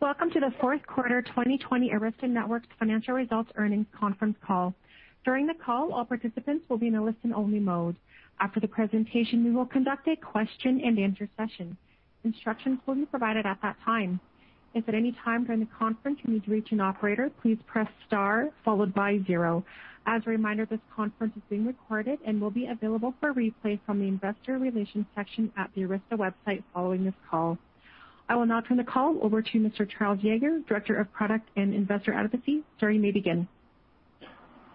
Welcome to the fourth quarter 2020 Arista Network financial results earnings conference call. During the call, all participants will be in a listen-only mode. After the presentation, we will conduct a question-and-answer session. Instructions will be provided at that time. If at any time during the conference you need to reach an operator, please press star followed by zero. As a reminder, this conference is being recorded and will be available for replay from the Investor Relations section at the Arista website following this call. I will now turn the call over to Mr. Charles Yeager, Director of Product and Investor Advocacy. Sir, you may begin.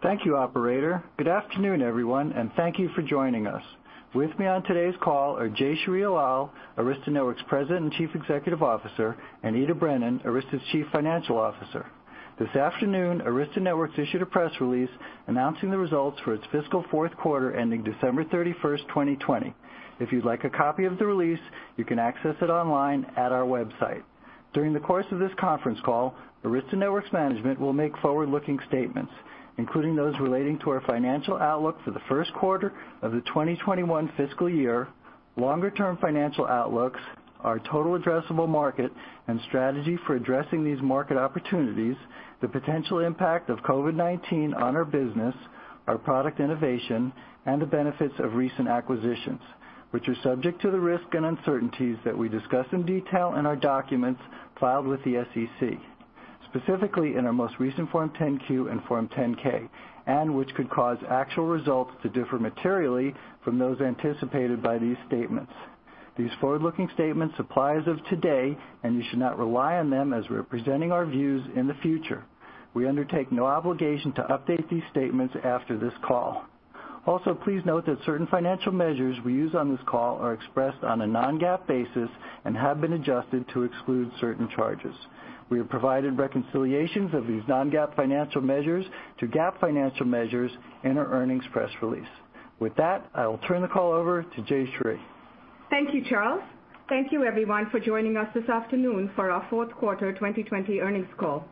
Thank you, operator. Good afternoon, everyone, and thank you for joining us. With me on today's call are Jayshree Ullal, Arista Networks President and Chief Executive Officer, and Ita Brennan, Arista's Chief Financial Officer. This afternoon, Arista Networks issued a press release announcing the results for its fiscal fourth quarter ending December 31st, 2020. If you'd like a copy of the release, you can access it online at our website. During the course of this conference call, Arista Networks management will make forward-looking statements, including those relating to our financial outlook for the first quarter of the 2021 fiscal year, longer-term financial outlooks, our total addressable market, and strategy for addressing these market opportunities, the potential impact of COVID-19 on our business, our product innovation, and the benefits of recent acquisitions, which are subject to the risk and uncertainties that we discuss in detail in our documents filed with the SEC, specifically in our most recent Form 10-Q and Form 10-K, and which could cause actual results to differ materially from those anticipated by these statements. These forward-looking statements apply as of today, and you should not rely on them as representing our views in the future. We undertake no obligation to update these statements after this call. Please note that certain financial measures we use on this call are expressed on a non-GAAP basis and have been adjusted to exclude certain charges. We have provided reconciliations of these non-GAAP financial measures to GAAP financial measures in our earnings press release. With that, I will turn the call over to Jayshree. Thank you, Charles. Thank you, everyone, for joining us this afternoon for our fourth quarter 2020 earnings call.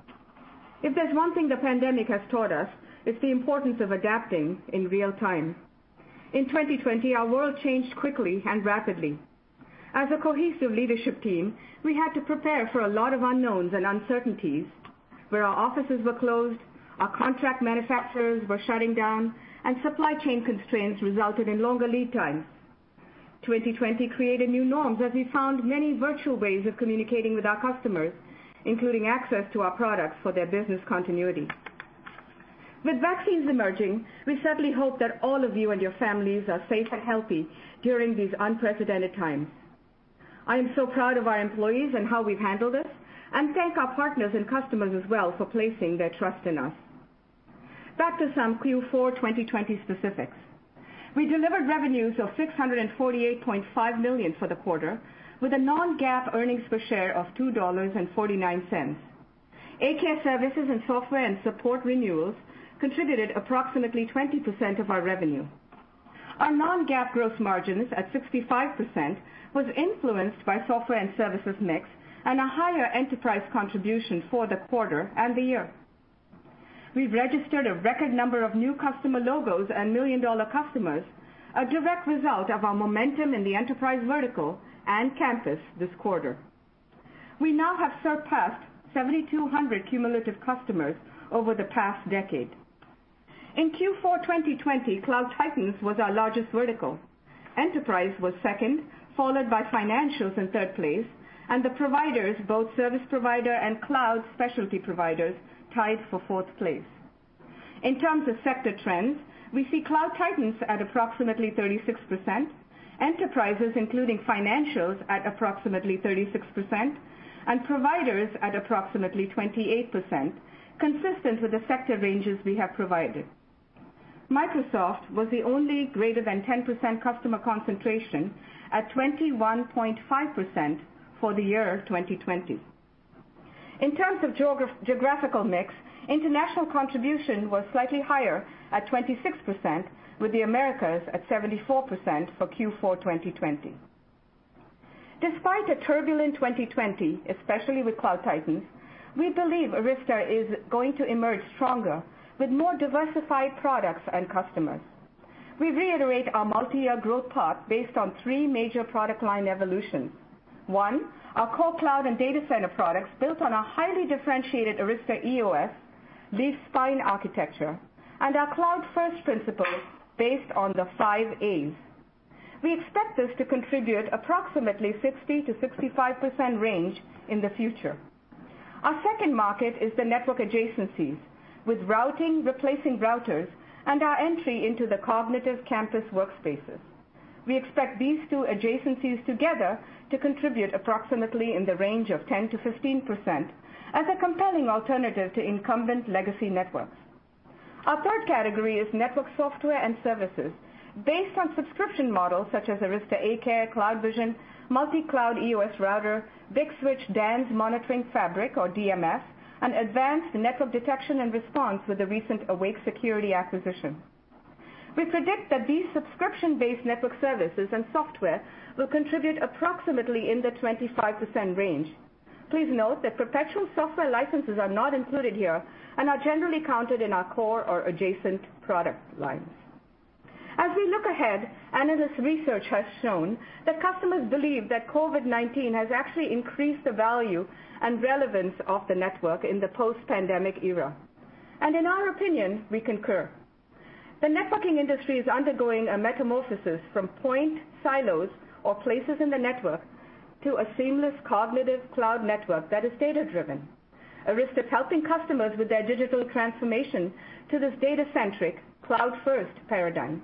If there's one thing the pandemic has taught us, it's the importance of adapting in real-time. In 2020, our world changed quickly and rapidly. As a cohesive leadership team, we had to prepare for a lot of unknowns and uncertainties, where our offices were closed, our contract manufacturers were shutting down, and supply chain constraints resulted in longer lead times. 2020 created new norms as we found many virtual ways of communicating with our customers, including access to our products for their business continuity. With vaccines emerging, we certainly hope that all of you and your families are safe and healthy during these unprecedented times. I am so proud of our employees and how we've handled it, and thank our partners and customers as well for placing their trust in us. Back to some Q4 2020 specifics. We delivered revenues of $648.5 million for the quarter, with a non-GAAP earnings per share of $2.49. A-Care Services and software and support renewals contributed approximately 20% of our revenue. Our non-GAAP gross margins at 65% was influenced by software and services mix and a higher enterprise contribution for the quarter and the year. We registered a record number of new customer logos and million-dollar customers, a direct result of our momentum in the enterprise vertical and campus this quarter. We now have surpassed 7,200 cumulative customers over the past decade. In Q4 2020, Cloud Titans was our largest vertical. Enterprise was second, followed by Financials in third place, and the Providers, both service provider and cloud specialty providers, tied for fourth place. In terms of sector trends, we see Cloud Titans at approximately 36%, Enterprises, including Financials, at approximately 36%, and Providers at approximately 28%, consistent with the sector ranges we have provided. Microsoft was the only greater than 10% customer concentration at 21.5% for the year 2020. In terms of geographical mix, international contribution was slightly higher at 26%, with the Americas at 74% for Q4 2020. Despite a turbulent 2020, especially with Cloud Titans, we believe Arista is going to emerge stronger with more diversified products and customers. We reiterate our multi-year growth path based on three major product line evolutions. One, our core cloud and data center products built on a highly differentiated Arista EOS leaf-spine architecture and our cloud-first principles based on the five A's. We expect this to contribute approximately 60%-65% range in the future. Our second market is the network adjacencies, with routing replacing routers and our entry into the cognitive campus workspaces. We expect these two adjacencies together to contribute approximately in the range of 10%-15% as a compelling alternative to incumbent legacy networks. Our third category is network software and services based on subscription models such as Arista A-Care CloudVision, CloudEOS Router, Big Switch DANZ Monitoring Fabric, or DMF, and advanced network detection and response with the recent Awake Security acquisition. We predict that these subscription-based network services and software will contribute approximately in the 25% range. Please note that perpetual software licenses are not included here and are generally counted in our core or adjacent product lines. As we look ahead, analyst research has shown that customers believe that COVID-19 has actually increased the value and relevance of the network in the post-pandemic era. In our opinion, we concur. The networking industry is undergoing a metamorphosis from point silos or places in the network to a seamless cognitive cloud network that is data-driven. Arista is helping customers with their digital transformation to this data-centric, cloud-first paradigm.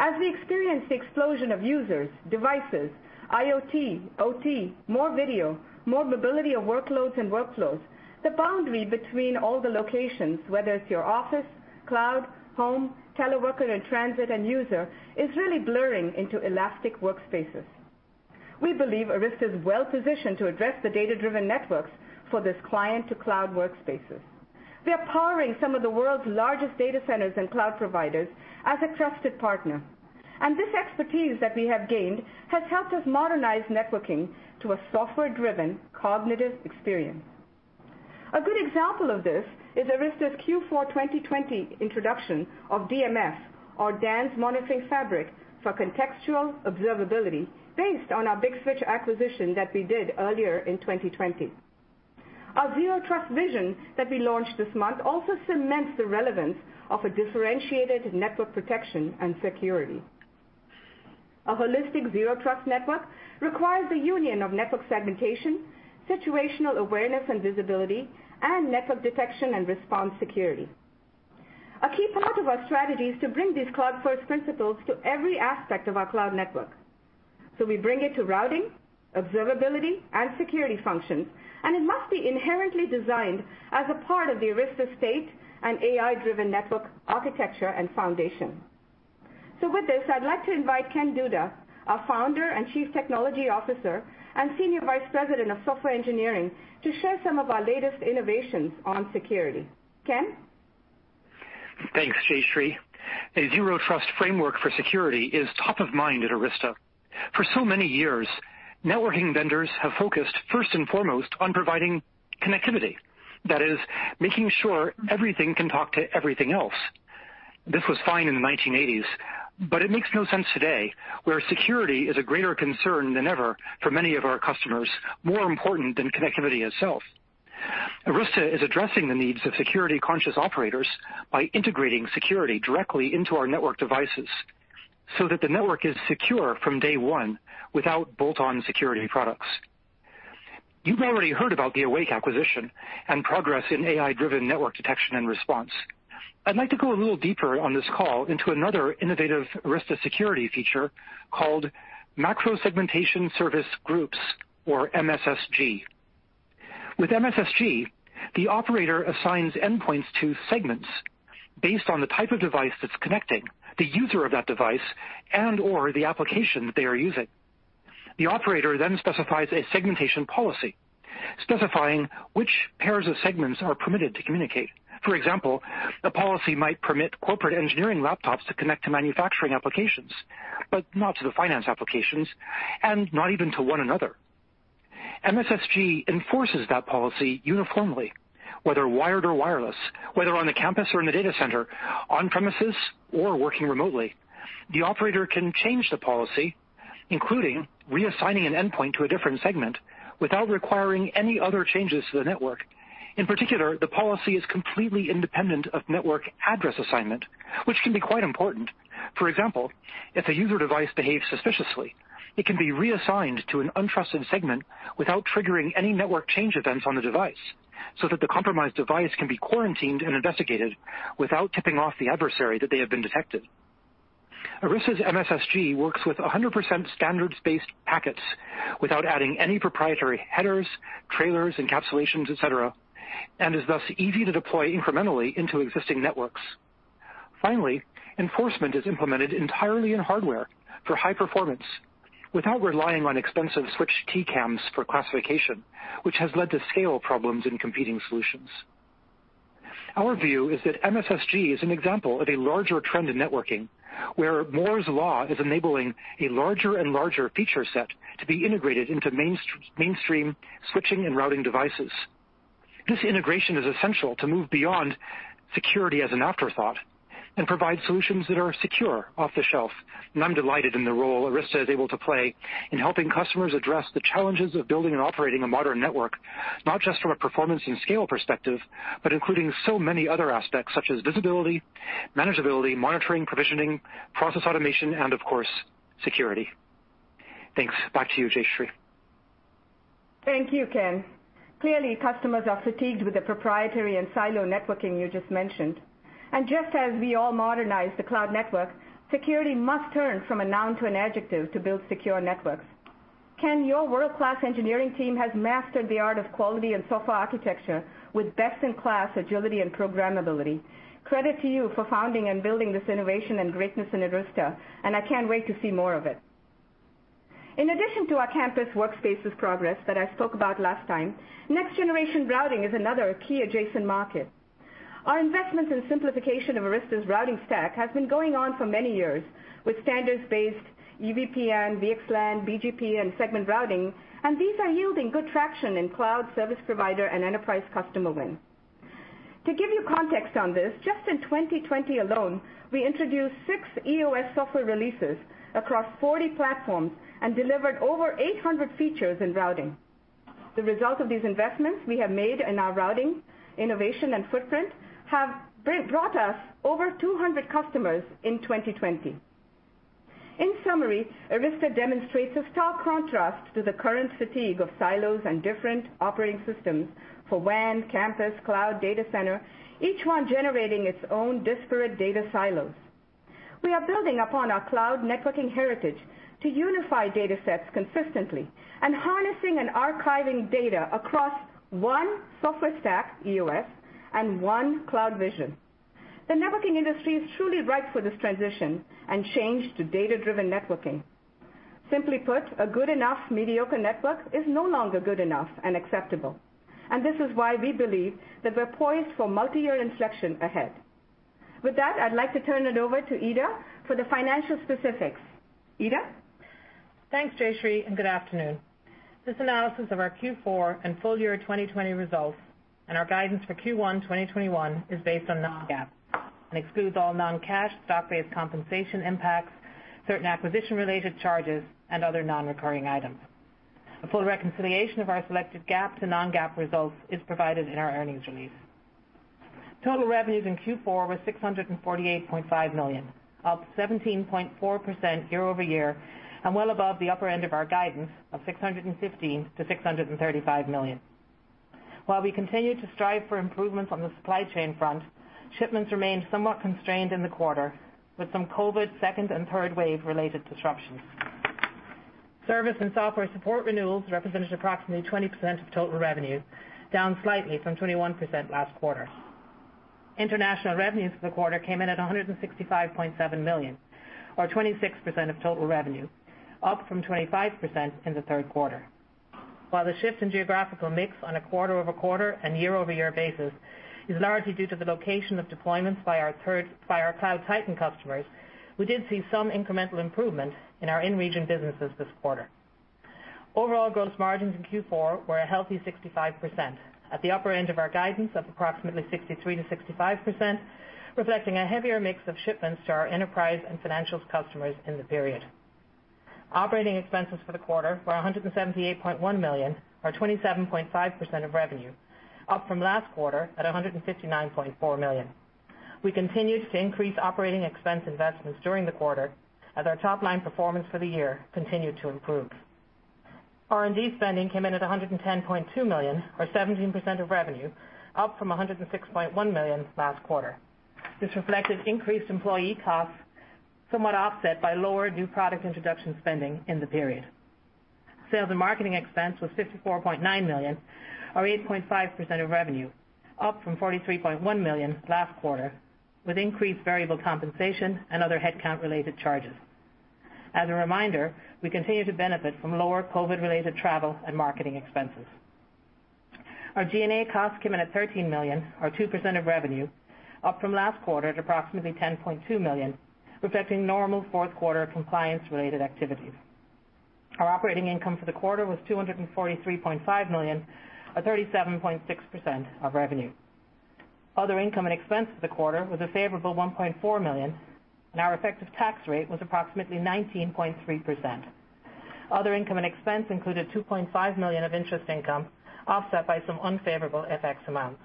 As we experience the explosion of users, devices, IoT, OT, more video, more mobility of workloads and workflows, the boundary between all the locations, whether it's your office, cloud, home, teleworker, and transit and user, is really blurring into elastic workspaces. We believe Arista is well-positioned to address the data-driven networks for this client-to-cloud workspaces. We are powering some of the world's largest data centers and cloud providers as a trusted partner, and this expertise that we have gained has helped us modernize networking to a software-driven cognitive experience. A good example of this is Arista's Q4 2020 introduction of DMF, or DANZ Monitoring Fabric, for contextual observability based on our Big Switch acquisition that we did earlier in 2020. Our Zero Trust vision that we launched this month also cements the relevance of a differentiated network protection and security. A holistic Zero Trust network requires a union of network segmentation, situational awareness and visibility, and network detection and response security. A key part of our strategy is to bring these cloud-first principles to every aspect of our cloud network. We bring it to routing, observability, and security functions, and it must be inherently designed as a part of the Arista state and AI-driven network architecture and foundation. With this, I'd like to invite Ken Duda, our Founder and Chief Technology Officer and Senior Vice President of Software Engineering, to share some of our latest innovations on security. Ken? Thanks, Jayshree. A Zero Trust framework for security is top of mind at Arista. For so many years, networking vendors have focused first and foremost on providing connectivity, that is, making sure everything can talk to everything else. This was fine in the 1980s, but it makes no sense today, where security is a greater concern than ever for many of our customers, more important than connectivity itself. Arista is addressing the needs of security-conscious operators by integrating security directly into our network devices so that the network is secure from day one without bolt-on security products. You've already heard about the Awake acquisition and progress in AI-driven network detection and response. I'd like to go a little deeper on this call into another innovative Arista security feature called Macro Segmentation Service Groups, or MSSG. With MSSG, the operator assigns endpoints to segments based on the type of device that's connecting, the user of that device, and/or the application that they are using. The operator then specifies a segmentation policy, specifying which pairs of segments are permitted to communicate. For example, the policy might permit corporate engineering laptops to connect to manufacturing applications, but not to the finance applications, and not even to one another. MSSG enforces that policy uniformly, whether wired or wireless, whether on the campus or in the data center, on premises or working remotely. The operator can change the policy, including reassigning an endpoint to a different segment, without requiring any other changes to the network. In particular, the policy is completely independent of network address assignment, which can be quite important. For example, if a user device behaves suspiciously, it can be reassigned to an untrusted segment without triggering any network change events on the device, so that the compromised device can be quarantined and investigated without tipping off the adversary that they have been detected. Arista's MSSG works with 100% standards-based packets without adding any proprietary headers, trailers, encapsulations, et cetera, and is thus easy to deploy incrementally into existing networks. Finally, enforcement is implemented entirely in hardware for high performance without relying on expensive switch TCAMs for classification, which has led to scale problems in competing solutions. Our view is that MSSG is an example of a larger trend in networking, where Moore's law is enabling a larger and larger feature set to be integrated into mainstream switching and routing devices. This integration is essential to move beyond security as an afterthought and provide solutions that are secure off the shelf. I'm delighted in the role Arista is able to play in helping customers address the challenges of building and operating a modern network, not just from a performance and scale perspective, but including so many other aspects such as visibility, manageability, monitoring, provisioning, process automation, and, of course, security. Thanks. Back to you, Jayshree. Thank you, Ken. Clearly, customers are fatigued with the proprietary and silo networking you just mentioned. Just as we all modernize the cloud network, security must turn from a noun to an adjective to build secure networks. Ken, your world-class engineering team has mastered the art of quality and software architecture with best-in-class agility and programmability. Credit to you for founding and building this innovation and greatness in Arista, and I can't wait to see more of it. In addition to our campus workspaces progress that I spoke about last time, next-generation routing is another key adjacent market. Our investments in simplification of Arista's routing stack has been going on for many years with standards-based EVPN, VXLAN, BGP, and segment routing, and these are yielding good traction in cloud service provider and enterprise customer win. To give you context on this, just in 2020 alone, we introduced six EOS software releases across 40 platforms and delivered over 800 features in routing. The result of these investments we have made in our routing, innovation, and footprint have brought us over 200 customers in 2020. In summary, Arista demonstrates a stark contrast to the current fatigue of silos and different operating systems for WAN, campus, cloud, data center, each one generating its own disparate data silos. We are building upon our cloud networking heritage to unify data sets consistently and harnessing and archiving data across one software stack, EOS, and one CloudVision. The networking industry is truly ripe for this transition and change to data-driven networking. Simply put, a good enough mediocre network is no longer good enough and acceptable. This is why we believe that we're poised for multi-year inflection ahead. With that, I'd like to turn it over to Ita for the financial specifics. Ita? Thanks, Jayshree, good afternoon. This analysis of our Q4 and full-year 2020 results and our guidance for Q1 2021 is based on non-GAAP and excludes all non-cash stock-based compensation impacts, certain acquisition-related charges, and other non-recurring items. A full reconciliation of our selected GAAP to non-GAAP results is provided in our earnings release. Total revenues in Q4 were $648.5 million, up 17.4% year-over-year, and well above the upper end of our guidance of $615 million-$635 million. While we continue to strive for improvements on the supply chain front, shipments remained somewhat constrained in the quarter, with some COVID second and third wave-related disruptions. Service and software support renewals represented approximately 20% of total revenue, down slightly from 21% last quarter. International revenues for the quarter came in at $165.7 million, or 26% of total revenue, up from 25% in the third quarter. While the shift in geographical mix on a quarter-over-quarter and year-over-year basis is largely due to the location of deployments by our cloud titan customers, we did see some incremental improvement in our in-region businesses this quarter. Overall gross margins in Q4 were a healthy 65%, at the upper end of our guidance of approximately 63%-65%, reflecting a heavier mix of shipments to our enterprise and financials customers in the period. Operating expenses for the quarter were $178.1 million, or 27.5% of revenue, up from last quarter at $159.4 million. We continued to increase operating expense investments during the quarter as our top-line performance for the year continued to improve. R&D spending came in at $110.2 million, or 17% of revenue, up from $106.1 million last quarter. This reflected increased employee costs, somewhat offset by lower new product introduction spending in the period. Sales and marketing expense was $54.9 million, or 8.5% of revenue, up from $43.1 million last quarter, with increased variable compensation and other headcount-related charges. As a reminder, we continue to benefit from lower COVID-19-related travel and marketing expenses. Our G&A costs came in at $13 million, or 2% of revenue, up from last quarter at approximately $10.2 million, reflecting normal fourth quarter compliance-related activities. Our operating income for the quarter was $243.5 million, or 37.6% of revenue. Other income and expense for the quarter was a favorable $1.4 million. Our effective tax rate was approximately 19.3%. Other income and expense included $2.5 million of interest income, offset by some unfavorable FX amounts.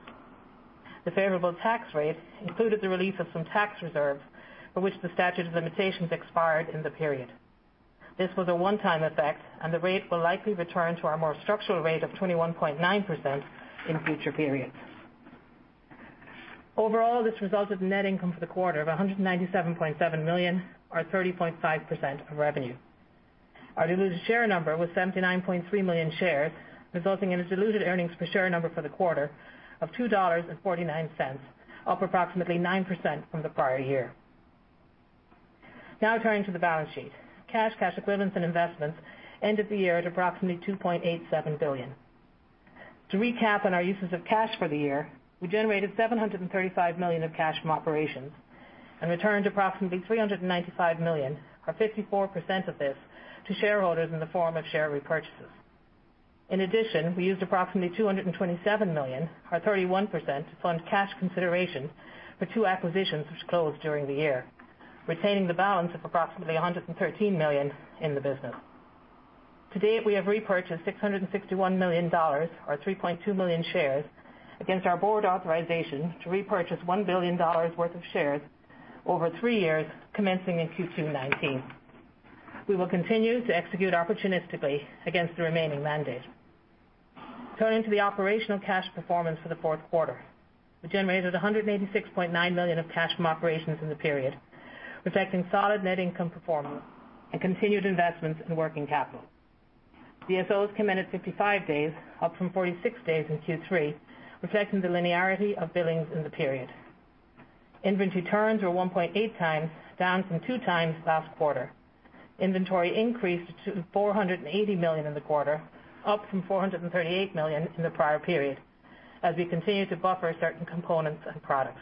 The favorable tax rate included the release of some tax reserves for which the statute of limitations expired in the period. This was a one-time effect. The rate will likely return to our more structural rate of 21.9% in future periods. Overall, this resulted in net income for the quarter of $197.7 million, or 30.5% of revenue. Our diluted share number was 79.3 million shares, resulting in a diluted earnings per share number for the quarter of $2.49, up approximately 9% from the prior year. Turning to the balance sheet. Cash, cash equivalents, and investments ended the year at approximately $2.87 billion. To recap on our uses of cash for the year, we generated $735 million of cash from operations, returned approximately $395 million, or 54% of this, to shareholders in the form of share repurchases. In addition, we used approximately $227 million, or 31%, to fund cash consideration for two acquisitions which closed during the year, retaining the balance of approximately $113 million in the business. To date, we have repurchased $661 million, or 3.2 million shares, against our board authorization to repurchase $1 billion worth of shares over three years, commencing in Q2 '19. We will continue to execute opportunistically against the remaining mandate. Turning to the operational cash performance for the fourth quarter. We generated $186.9 million of cash from operations in the period, reflecting solid net income performance and continued investments in working capital. DSOs came in at 55 days, up from 46 days in Q3, reflecting the linearity of billings in the period. Inventory turns were 1.8x, down from two times last quarter. Inventory increased to $480 million in the quarter, up from $438 million in the prior period, as we continue to buffer certain components and products.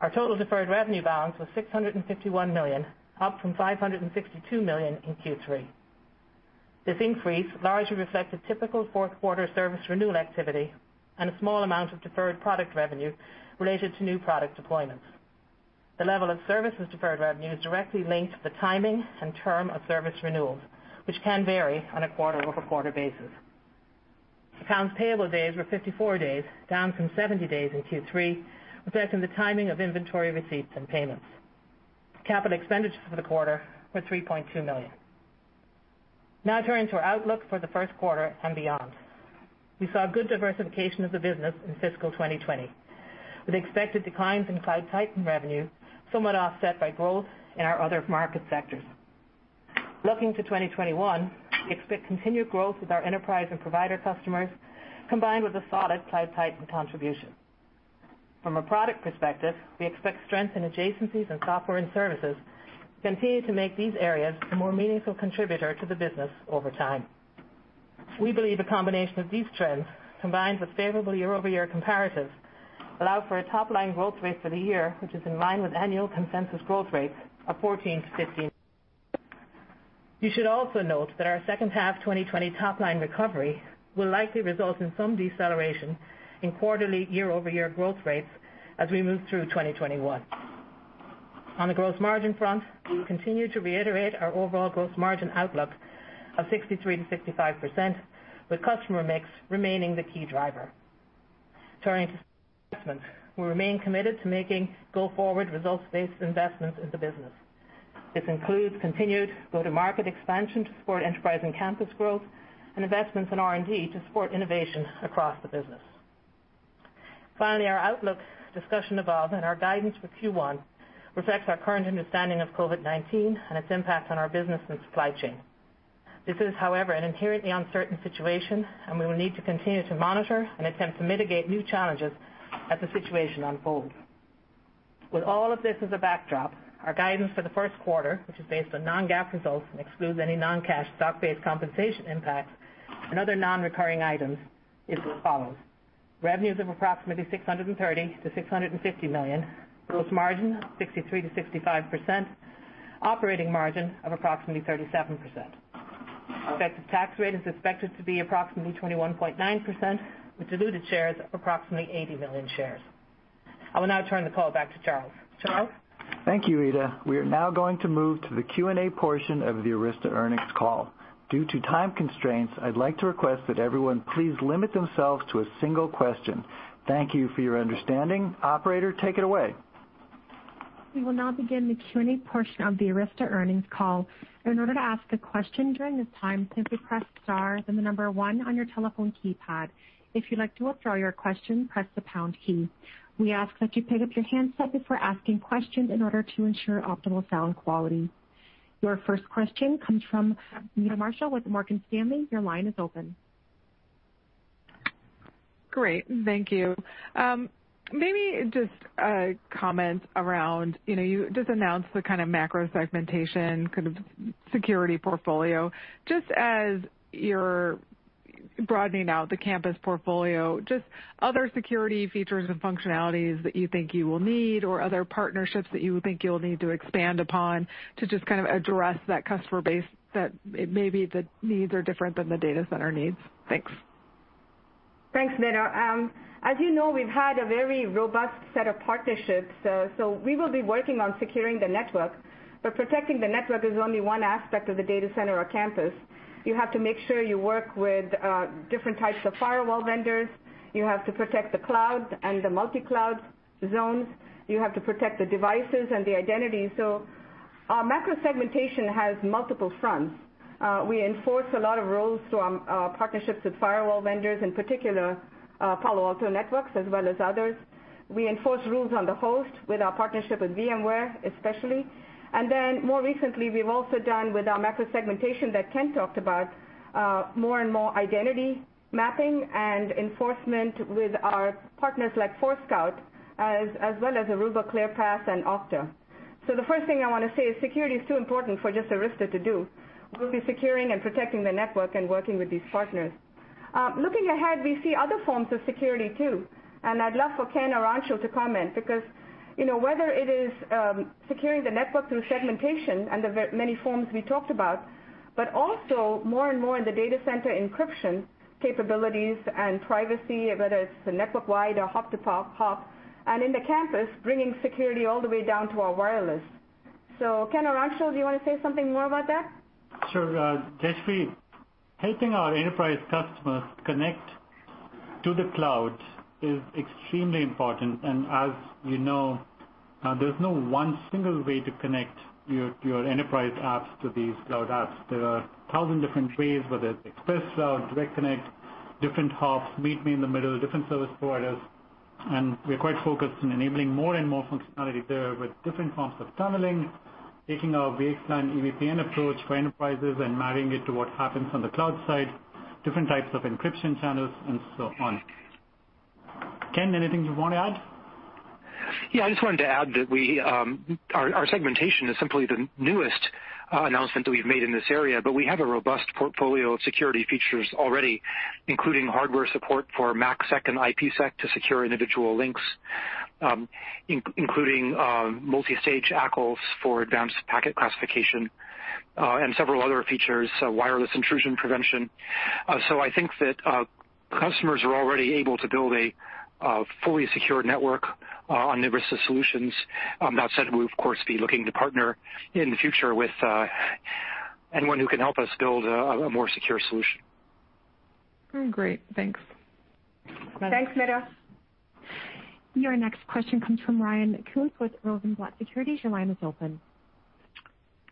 Our total deferred revenue balance was $651 million, up from $562 million in Q3. This increase largely reflects a typical fourth quarter service renewal activity and a small amount of deferred product revenue related to new product deployments. The level of services deferred revenue is directly linked to the timing and term of service renewals, which can vary on a quarter-over-quarter basis. Accounts payable days were 54 days, down from 70 days in Q3, reflecting the timing of inventory receipts and payments. Capital expenditures for the quarter were $3.2 million. Turning to our outlook for the first quarter and beyond. We saw good diversification of the business in fiscal 2020, with expected declines in Cloud Titan revenue somewhat offset by growth in our other market sectors. Looking to 2021, we expect continued growth with our enterprise and provider customers, combined with a solid Cloud Titan contribution. From a product perspective, we expect strength in adjacencies and software and services to continue to make these areas a more meaningful contributor to the business over time. We believe a combination of these trends, combined with favorable year-over-year comparatives, allow for a top-line growth rate for the year, which is in line with annual consensus growth rates of 14%-15%. You should also note that our second half 2020 top-line recovery will likely result in some deceleration in quarterly year-over-year growth rates as we move through 2021. On the gross margin front, we continue to reiterate our overall gross margin outlook of 63%-65%, with customer mix remaining the key driver. Turning to investment, we remain committed to making go-forward results-based investments in the business. This includes continued go-to-market expansion to support enterprise and campus growth and investments in R&D to support innovation across the business. Our outlook discussion above and our guidance for Q1 reflects our current understanding of COVID-19 and its impact on our business and supply chain. This is, however, an inherently uncertain situation, and we will need to continue to monitor and attempt to mitigate new challenges as the situation unfolds. With all of this as a backdrop, our guidance for the first quarter, which is based on non-GAAP results and excludes any non-cash stock-based compensation impact and other non-recurring items, is as follows: revenues of approximately $630 million-$650 million, gross margin 63%-65%, operating margin of approximately 37%. Expected tax rate is expected to be approximately 21.9%, with diluted shares of approximately 80 million shares. I will now turn the call back to Charles. Charles? Thank you, Ita. We are now going to move to the Q&A portion of the Arista earnings call. Due to time constraints, I'd like to request that everyone please limit themselves to a single question. Thank you for your understanding. Operator, take it away. We will now begin the Q&A portion of the Arista earnings call. In order to ask a question during this time, simply press star, then the number one on your telephone keypad. If you'd like to withdraw your question, press the pound key. We ask that you pick up your handset before asking questions in order to ensure optimal sound quality. Your first question comes from Meta Marshall with Morgan Stanley. Your line is open. Great. Thank you. Maybe just a comment around, you just announced the kind of Macro Segmentation kind of security portfolio. Just as you're broadening out the campus portfolio, just other security features and functionalities that you think you will need or other partnerships that you think you'll need to expand upon to just kind of address that customer base that maybe the needs are different than the data center needs. Thanks. Thanks, Meta. As you know, we've had a very robust set of partnerships, so we will be working on securing the network. Protecting the network is only one aspect of the data center or campus. You have to make sure you work with different types of firewall vendors. You have to protect the cloud and the multi-cloud zones. You have to protect the devices and the identity. Our macro segmentation has multiple fronts. We enforce a lot of rules through our partnerships with firewall vendors, in particular, Palo Alto Networks, as well as others. We enforce rules on the host with our partnership with VMware especially. More recently, we've also done with our macro segmentation that Ken talked about, more and more identity mapping and enforcement with our partners like Forescout, as well as Aruba ClearPass and Okta. The first thing I want to say is security is too important for just Arista to do. We'll be securing and protecting the network and working with these partners. Looking ahead, we see other forms of security, too, and I'd love for Ken or Anshul to comment because whether it is securing the network through segmentation and the many forms we talked about, but also more and more in the data center encryption capabilities and privacy, whether it's the network-wide or hop-to-hop. In the campus, bringing security all the way down to our wireless. Ken or Anshul, do you want to say something more about that? Sure. Jayshree, as you know, there's no one single way to connect your enterprise apps to these cloud apps. There are 1,000 different ways, whether it's ExpressRoute, Direct Connect, different hops, meet me in the middle, different service providers. We are quite focused on enabling more and more functionality there with different forms of tunneling, taking our VXLAN EVPN approach for enterprises and mapping it to what happens on the cloud side, different types of encryption channels, and so on. Ken, anything you want to add? I just wanted to add that our segmentation is simply the newest announcement that we've made in this area, but we have a robust portfolio of security features already, including hardware support for MACsec and IPsec to secure individual links, including multi-stage ACLs for advanced packet classification and several other features, wireless intrusion prevention. I think that customers are already able to build a fully secured network on numerous solutions. That said, we would, of course, be looking to partner in the future with anyone who can help us build a more secure solution. Great. Thanks. Thanks, Meta. Your next question comes from Ryan Koontz with Rosenblatt Securities. Your line is open.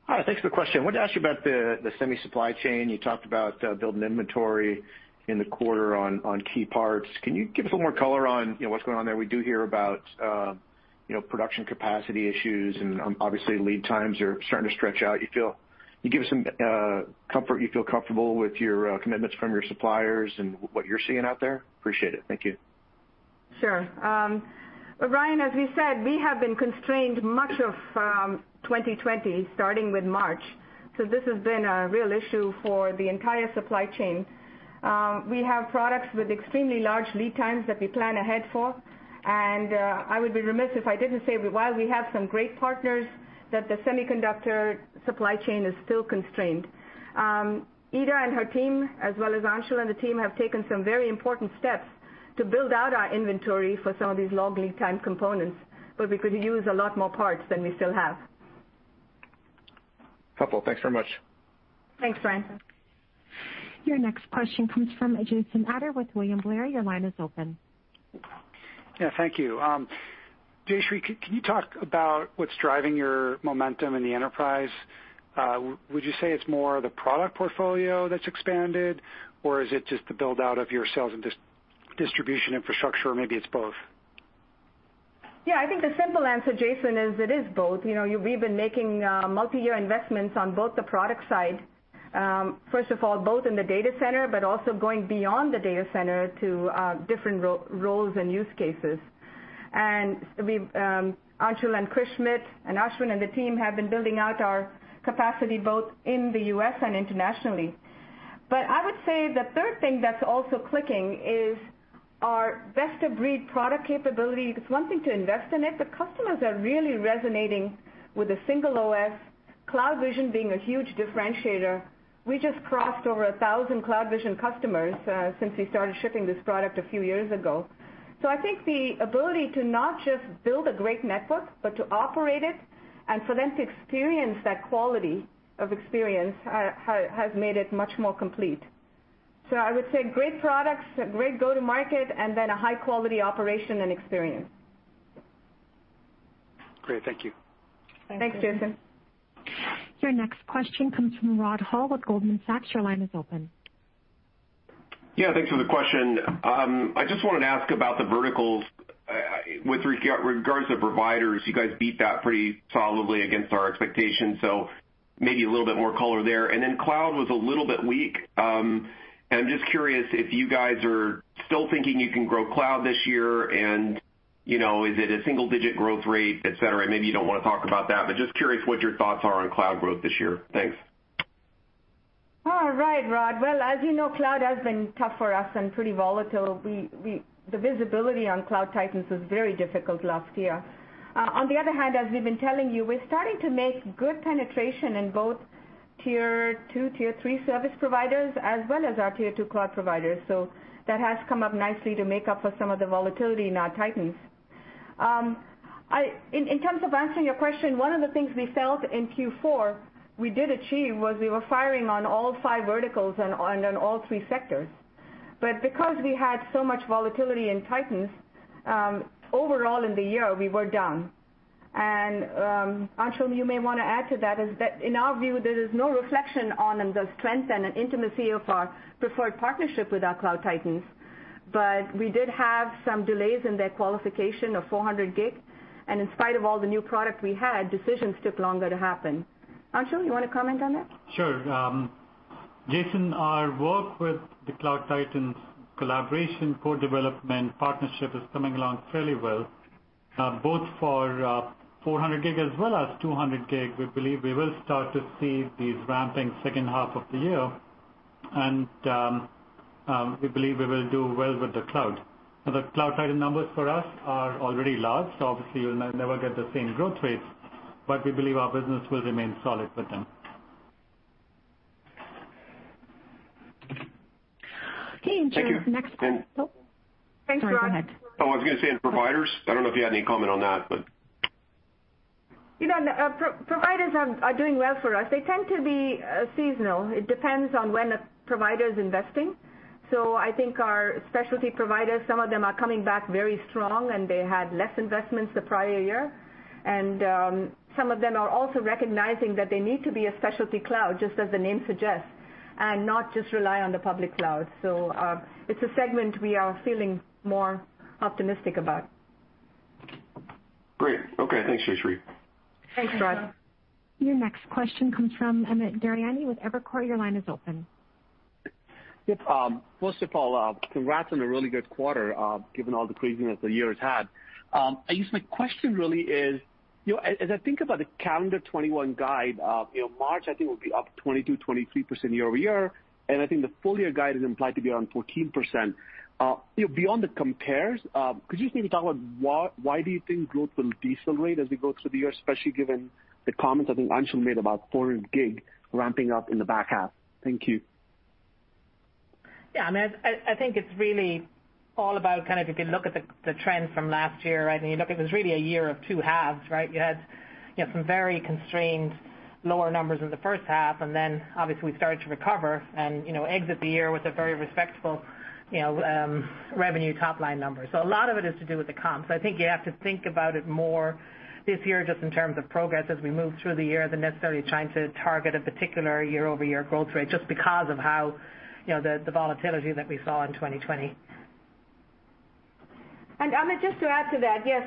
Hi. Thanks for the question. I wanted to ask you about the semi supply chain. You talked about building inventory in the quarter on key parts. Can you give us a little more color on what's going on there? We do hear about production capacity issues. Obviously lead times are starting to stretch out. Can you give us some comfort you feel comfortable with your commitments from your suppliers and what you're seeing out there? Appreciate it. Thank you. Sure. Ryan, as we said, we have been constrained much of 2020, starting with March. This has been a real issue for the entire supply chain. We have products with extremely large lead times that we plan ahead for, and I would be remiss if I didn't say that while we have some great partners, that the semiconductor supply chain is still constrained. Ita and her team, as well as Anshul and the team, have taken some very important steps to build out our inventory for some of these long lead time components, but we could use a lot more parts than we still have. Helpful. Thanks very much. Thanks, Ryan. Your next question comes from Jason Ader with William Blair. Your line is open. Yeah, thank you. Jayshree, can you talk about what's driving your momentum in the enterprise? Would you say it's more the product portfolio that's expanded, or is it just the build-out of your sales and distribution infrastructure, or maybe it's both? Yeah, I think the simple answer, Jason, is it is both. We've been making multi-year investments on both the product side, first of all, both in the data center but also going beyond the data center to different roles and use cases. Anshul and Chris Schmidt and Ashwin and the team have been building out our capacity both in the U.S. and internationally. I would say the third thing that's also clicking is our best-of-breed product capability. It's one thing to invest in it, but customers are really resonating with a single OS, CloudVision being a huge differentiator. We just crossed over 1,000 CloudVision customers since we started shipping this product a few years ago. I think the ability to not just build a great network, but to operate it and for them to experience that quality of experience has made it much more complete. I would say great products, a great go-to-market, and then a high-quality operation and experience. Great. Thank you. Thanks, Jason. Your next question comes from Rod Hall with Goldman Sachs. Your line is open. Yeah, thanks for the question. I just wanted to ask about the verticals with regards to providers. You guys beat that pretty solidly against our expectations. Maybe a little bit more color there. Cloud was a little bit weak. I'm just curious if you guys are still thinking you can grow cloud this year. Is it a single-digit growth rate, et cetera? Maybe you don't want to talk about that. Just curious what your thoughts are on cloud growth this year. Thanks. All right, Rod. Well, as you know, cloud has been tough for us and pretty volatile. The visibility on Cloud Titans was very difficult last year. On the other hand, as we've been telling you, we're starting to make good penetration in both tier 2, tier 3 service providers, as well as our tier 2 cloud providers. That has come up nicely to make up for some of the volatility in our titans. In terms of answering your question, one of the things we felt in Q4 we did achieve was we were firing on all five verticals and on all three sectors. Because we had so much volatility in titans, overall in the year, we were down. Anshul, you may want to add to that, is that in our view, there is no reflection on the strength and intimacy of our preferred partnership with our Cloud Titans. We did have some delays in their qualification of 400G. In spite of all the new product we had, decisions took longer to happen. Anshul, you want to comment on that? Sure. Jason, our work with the Cloud Titans collaboration, co-development, partnership is coming along fairly well, both for 400G as well as 200G. We believe we will start to see these ramping second half of the year, and we believe we will do well with the cloud. The cloud titan numbers for us are already large. Obviously, you'll never get the same growth rates, but we believe our business will remain solid with them. Okay. Your next call. Thanks, Rod. Oh, I was going to say on providers, I don't know if you had any comment on that. Providers are doing well for us. They tend to be seasonal. It depends on when a provider is investing. I think our specialty providers, some of them are coming back very strong, and they had less investments the prior year. Some of them are also recognizing that they need to be a specialty cloud, just as the name suggests, and not just rely on the public cloud. It's a segment we are feeling more optimistic about. Great. Okay. Thanks, Jayshree. Thanks, Rod. Your next question comes from Amit Daryanani with Evercore. Your line is open. Yep. Congrats on a really good quarter, given all the craziness the year has had. I guess my question really is, as I think about the calendar 2021 guide, March I think will be up 22%, 23% year-over-year, and I think the full-year guide is implied to be around 14%. Beyond the compares, could you just maybe talk about why do you think growth will decelerate as we go through the year, especially given the comments I think Anshul made about 400G ramping up in the back half? Thank you. Amit, I think it's really all about, if you look at the trends from last year, it was really a year of two halves, right? You had some very constrained lower numbers in the first half, and then obviously we started to recover and exit the year with a very respectable revenue top-line number. A lot of it is to do with the comps. I think you have to think about it more this year just in terms of progress as we move through the year than necessarily trying to target a particular year-over-year growth rate, just because of the volatility that we saw in 2020. Amit, just to add to that. Yes,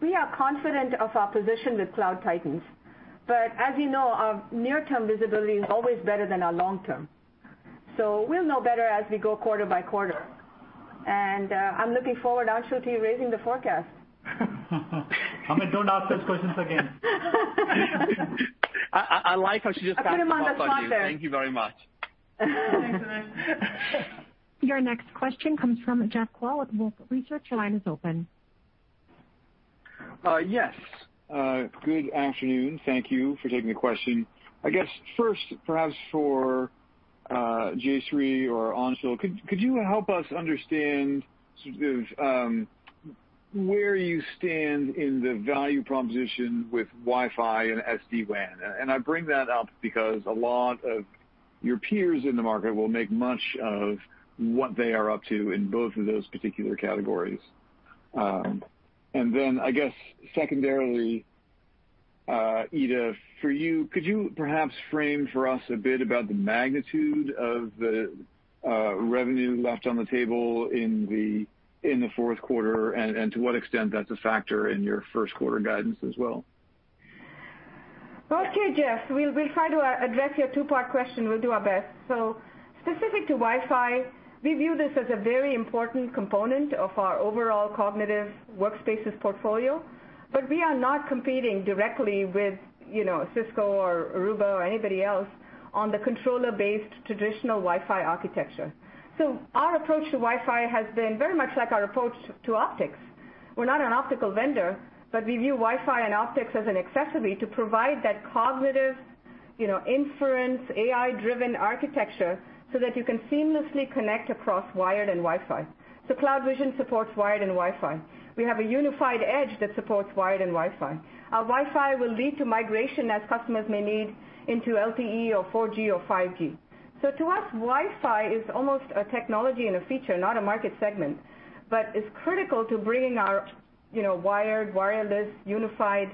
we are confident of our position with Cloud Titans, but as you know, our near-term visibility is always better than our long-term. We'll know better as we go quarter by quarter. I'm looking forward, Anshul, to you raising the forecast. Amit, don't ask those questions again. I like how she just bounced the ball on you. I put him on the spot there. Thank you very much. Your next question comes from Jeff Kvaal with Wolfe Research. Your line is open. Yes. Good afternoon. Thank you for taking the question. I guess first, perhaps for Jayshree or Anshul, could you help us understand where you stand in the value proposition with Wi-Fi and SD-WAN? I bring that up because a lot of your peers in the market will make much of what they are up to in both of those particular categories. Then, I guess secondarily, Ita, for you, could you perhaps frame for us a bit about the magnitude of the revenue left on the table in the fourth quarter, and to what extent that's a factor in your first quarter guidance as well? Okay, Jeff, we'll try to address your two-part question. We'll do our best. Specific to Wi-Fi, we view this as a very important component of our overall cognitive workspaces portfolio, but we are not competing directly with Cisco or Aruba or anybody else on the controller-based traditional Wi-Fi architecture. Our approach to Wi-Fi has been very much like our approach to optics. We're not an optical vendor, but we view Wi-Fi and optics as an accessory to provide that cognitive inference, AI-driven architecture so that you can seamlessly connect across wired and Wi-Fi. CloudVision supports wired and Wi-Fi. We have a unified edge that supports wired and Wi-Fi. Wi-Fi will lead to migration as customers may need into LTE or 4G or 5G. To us, Wi-Fi is almost a technology and a feature, not a market segment. It's critical to bringing our wired, wireless, unified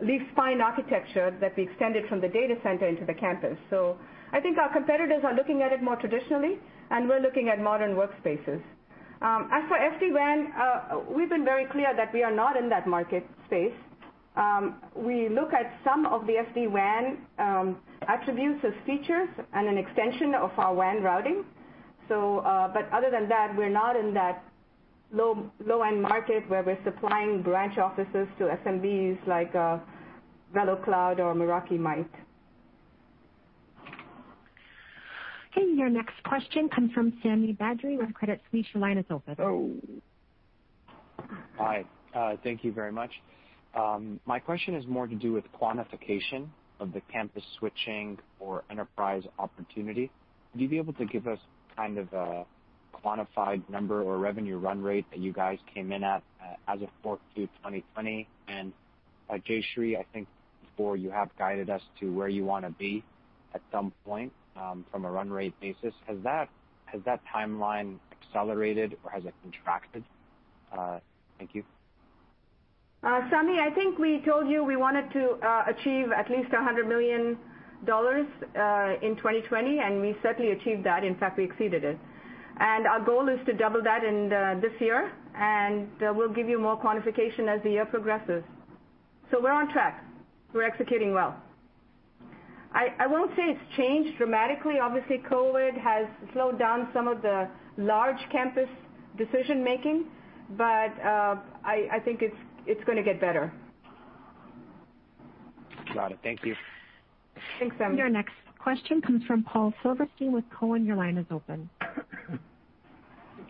leaf-spine architecture that we extended from the data center into the campus. I think our competitors are looking at it more traditionally, and we're looking at modern workspaces. As for SD-WAN, we've been very clear that we are not in that market space. We look at some of the SD-WAN attributes as features and an extension of our WAN routing. Other than that, we're not in that low-end market where we're supplying branch offices to SMBs like VeloCloud or Meraki might. Okay, your next question comes from Sami Badri with Credit Suisse. Your line is open. Hi. Thank you very much. My question is more to do with quantification of the campus switching or enterprise opportunity. Would you be able to give us a quantified number or revenue run rate that you guys came in at as of 4Q 2020? Jayshree, I think before you have guided us to where you want to be at some point from a run rate basis. Has that timeline accelerated or has it contracted? Thank you. Sami, I think we told you we wanted to achieve at least $100 million in 2020. We certainly achieved that. In fact, we exceeded it. Our goal is to double that this year. We'll give you more quantification as the year progresses. We're on track. We're executing well. I won't say it's changed dramatically. Obviously, COVID-19 has slowed down some of the large campus decision-making. I think it's going to get better. Got it. Thank you. Thanks, Sami. Your next question comes from Paul Silverstein with Cowen. Your line is open.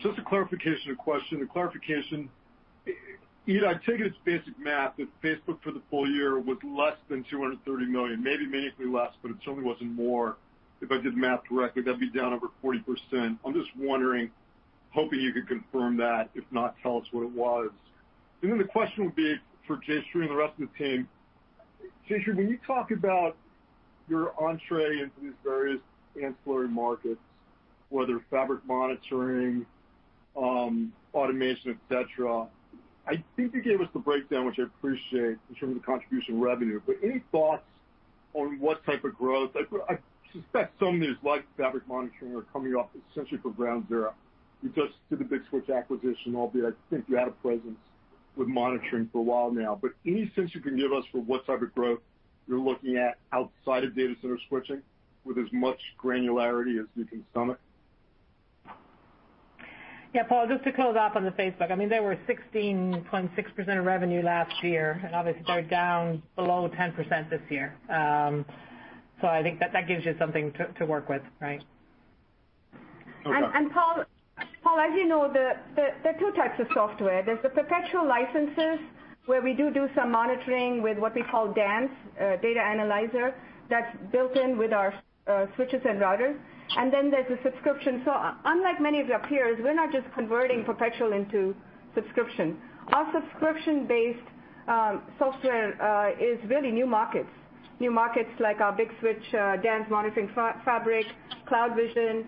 Just a clarification question. The clarification, Ita, I take it it's basic math if Facebook for the full-year was less than $230 million, maybe meaningfully less, but it certainly wasn't more. If I did the math correctly, that'd be down over 40%. I'm just wondering, hoping you could confirm that. If not, tell us what it was. Then the question would be for Jayshree and the rest of the team. Jayshree, when you talk about your entrée into these various ancillary markets, whether fabric monitoring, automation, et cetera, I think you gave us the breakdown, which I appreciate in terms of the contribution revenue. Any thoughts on what type of growth? I suspect some of these, like fabric monitoring, are coming off essentially from ground zero. You just did the Big Switch acquisition, albeit I think you had a presence with monitoring for a while now. Any sense you can give us for what type of growth you're looking at outside of data center switching with as much granularity as you can stomach? Yeah, Paul, just to close off on the Facebook. They were 16.6% of revenue last year, obviously they're down below 10% this year. I think that gives you something to work with, right? Okay. Paul, as you know, there are two types of software. There's the perpetual licenses, where we do some monitoring with what we call DANZ, data analyzer, that's built in with our switches and routers. Then there's a subscription. Unlike many of our peers, we're not just converting perpetual into subscription. Our subscription-based software is really new markets. New markets like our Big Switch DANZ Monitoring Fabric, CloudVision,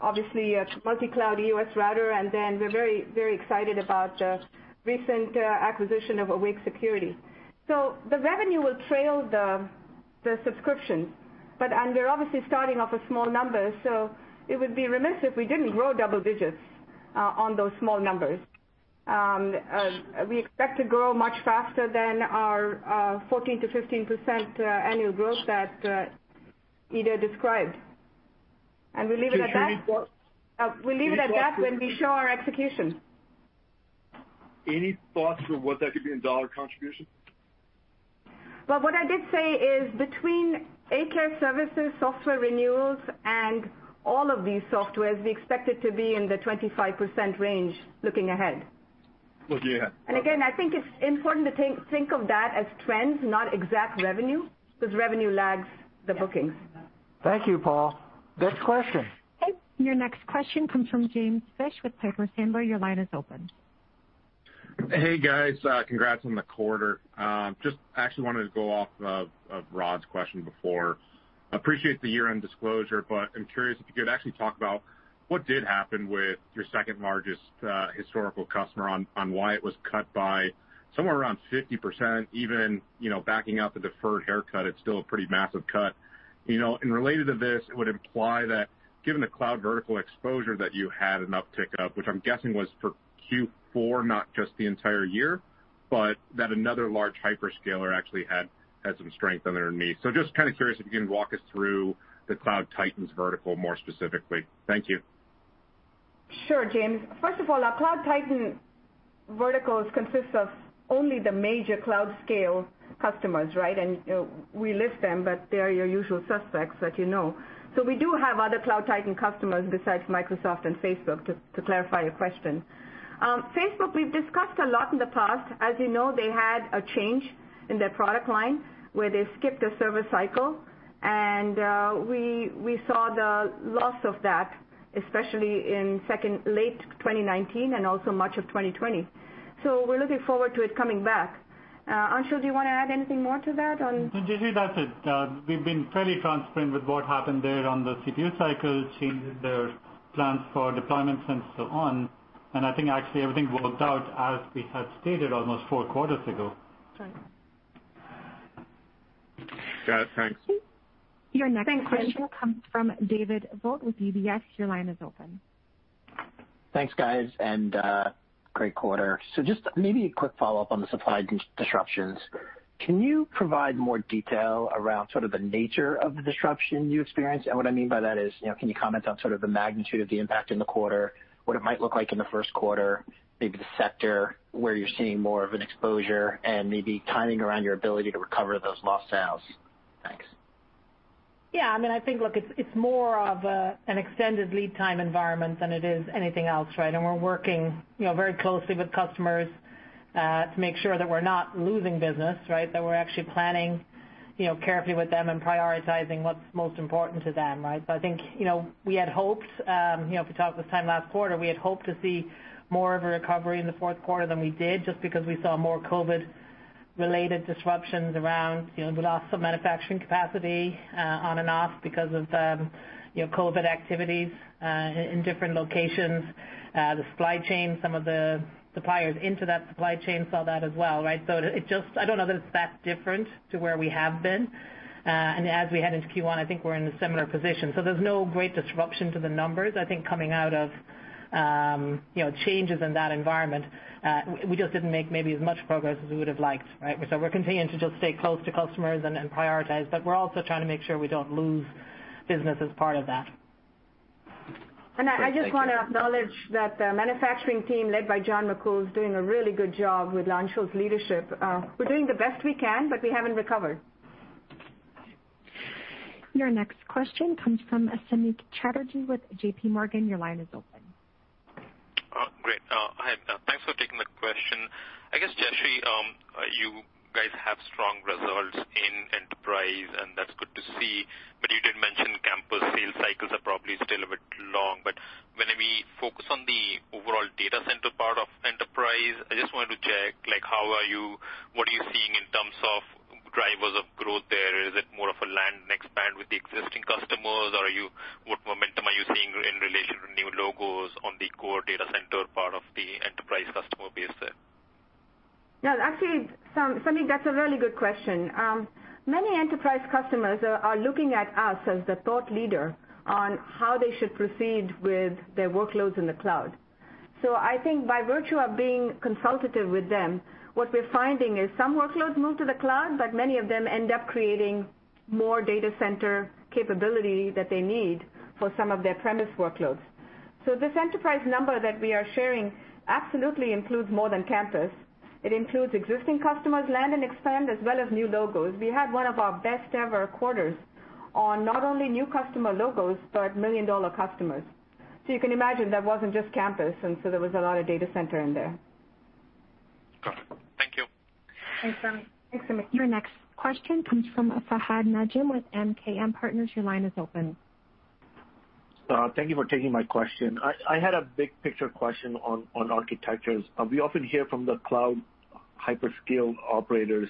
obviously CloudEOS Router, and then we're very excited about the recent acquisition of Awake Security. The revenue will trail the subscription. We're obviously starting off with small numbers, so it would be remiss if we didn't grow double digits on those small numbers. We expect to grow much faster than our 14%-15% annual growth that Ita described. We leave it at that. We leave it at that when we show our execution. Any thoughts for what that could be in dollar contribution? Well, what I did say is between A-Care Services, software renewals, and all of these softwares, we expect it to be in the 25% range looking ahead. Looking ahead. Okay. Again, I think it's important to think of that as trends, not exact revenue, because revenue lags the bookings. Thank you, Paul. Next question. Your next question comes from James Fish with Piper Sandler. Your line is open. Hey, guys. Congrats on the quarter. Just actually wanted to go off of Rod's question before. Appreciate the year-end disclosure, I'm curious if you could actually talk about what did happen with your second-largest historical customer on why it was cut by somewhere around 50%, even backing out the deferred haircut, it's still a pretty massive cut. Related to this, it would imply that given the cloud vertical exposure that you had an uptick of, which I'm guessing was for Q4, not just the entire year, that another large hyperscaler actually had some strength underneath. Just kind of curious if you can walk us through the Cloud Titans vertical more specifically. Thank you. Sure, James. First of all, our Cloud Titan verticals consist of only the major cloud scale customers, right? We list them, but they're your usual suspects that you know. We do have other Cloud Titan customers besides Microsoft and Facebook, to clarify your question. Facebook, we've discussed a lot in the past. As you know, they had a change in their product line where they skipped a server cycle and we saw the loss of that, especially in late 2019 and also much of 2020. We're looking forward to it coming back. Anshul, do you want to add anything more to that? No, Jay, that's it. We've been fairly transparent with what happened there on the CPU cycle, changed their plans for deployments and so on. I think actually everything worked out as we had stated almost four quarters ago. Right. Got it, thanks. Thanks, James. Your next question comes from David Vogt with UBS. Your line is open. Thanks, guys, and great quarter. Just maybe a quick follow-up on the supply disruptions. Can you provide more detail around sort of the nature of the disruption you experienced? What I mean by that is, can you comment on sort of the magnitude of the impact in the quarter, what it might look like in the first quarter, maybe the sector where you're seeing more of an exposure and maybe timing around your ability to recover those lost sales? Thanks. I think, look, it's more of an extended lead time environment than it is anything else, right? We're working very closely with customers, to make sure that we're not losing business, right? That we're actually planning carefully with them and prioritizing what's most important to them, right? I think, we had hoped, if we talk this time last quarter, we had hoped to see more of a recovery in the fourth quarter than we did, just because we saw more COVID-related disruptions around, the loss of manufacturing capacity, on and off because of COVID activities in different locations. The supply chain, some of the suppliers into that supply chain saw that as well, right? I don't know that it's that different to where we have been. As we head into Q1, I think we're in a similar position. There's no great disruption to the numbers, I think coming out of changes in that environment. We just didn't make maybe as much progress as we would've liked, right? We're continuing to just stay close to customers and prioritize, but we're also trying to make sure we don't lose business as part of that. Great. Thank you. I just want to acknowledge that the manufacturing team led by John McCool is doing a really good job with Anshul's leadership. We're doing the best we can, but we haven't recovered. Your next question comes from Samik Chatterjee with J.P.Morgan. Your line is open. Great. Hi, Ita. Thanks for taking the question. I guess, Jayshree, you guys have strong results in enterprise, and that's good to see, but you did mention campus sales cycles are probably still a bit long. But when we focus on the overall data center part of enterprise, I just wanted to check, what are you seeing in terms of drivers of growth there? Is it more of a land and expand with the existing customers? Or what momentum are you seeing in relation to new logos on the core data center part of the enterprise customer base there? Actually, Samik, that's a really good question. Many enterprise customers are looking at us as the thought leader on how they should proceed with their workloads in the cloud. I think by virtue of being consultative with them, what we're finding is some workloads move to the cloud, but many of them end up creating more data center capability that they need for some of their premise workloads. This enterprise number that we are sharing absolutely includes more than campus. It includes existing customers, land and expand, as well as new logos. We had one of our best ever quarters on not only new customer logos, but million-dollar customers. You can imagine that wasn't just campus, and so there was a lot of data center in there. Got it. Thank you. Thanks, Samik. Your next question comes from Fahad Najam with MKM Partners. Your line is open. Thank you for taking my question. I had a big-picture question on architectures. We often hear from the cloud hyperscale operators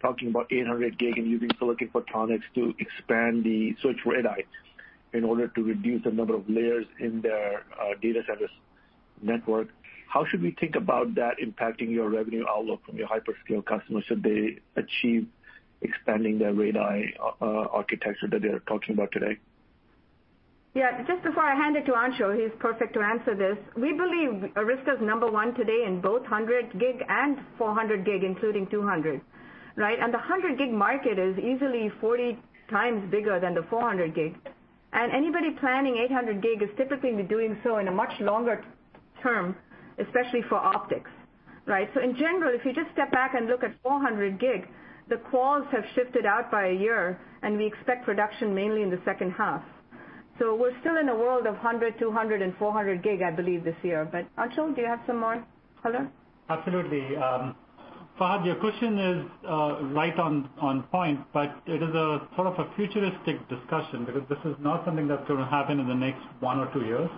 talking about 800G and using silicon photonics to expand the switch radix in order to reduce the number of layers in their data center network. How should we think about that impacting your revenue outlook from your hyperscale customers should they achieve expanding their radix architecture that they're talking about today? Yeah. Just before I hand it to Anshul, he's perfect to answer this. We believe Arista's number one today in both 100G and 400G, including 200G, right? The 100G market is easily 40x bigger than the 400G. Anybody planning 800G is typically doing so in a much longer term, especially for optics. Right? In general, if you just step back and look at 400G, the calls have shifted out by a year, and we expect production mainly in the second half. We're still in a world of 100G, 200G, and 400G, I believe, this year. Anshul, do you have some more color? Absolutely. Fahad, your question is right on point. It is a sort of a futuristic discussion because this is not something that's going to happen in the next one or two years.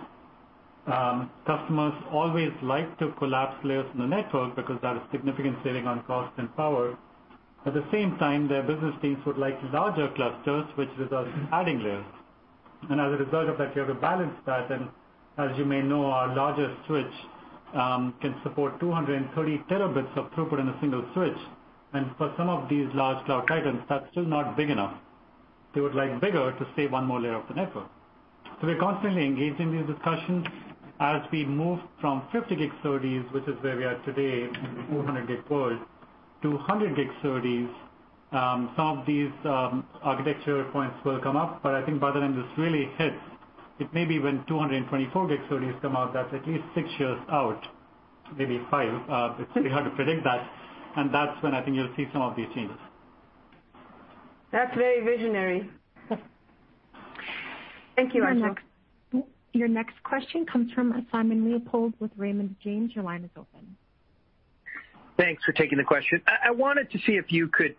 Customers always like to collapse layers in the network because that is significant saving on cost and power. At the same time, their business teams would like larger clusters, which results in adding layers. As a result of that, you have to balance that. As you may know, our largest switch can support 230 terabits of throughput in a single switch. For some of these large Cloud Titans, that's still not big enough. They would like bigger to save one more layer of the network. We're constantly engaging these discussions as we move from 50 gig SerDes, which is where we are today in the 400G world, to 100 gig SerDes. Some of these architecture points will come up, but I think by the time this really hits, it may be when 224 gig SerDes come out, that's at least six years out, maybe five. It's really hard to predict that. That's when I think you'll see some of these changes. That's very visionary. Thank you, Anshul. Your next question comes from Simon Leopold with Raymond James. Your line is open. Thanks for taking the question. I wanted to see if you could